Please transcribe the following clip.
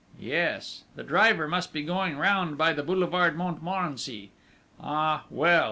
Yes. The driver must be going round by the boulevard Montmorency.... Ah, well!